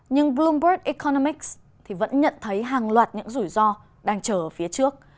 nhưng bloomberg economics thì vẫn nhận thấy hàng loạt những rủi ro đang chờ ở phía trước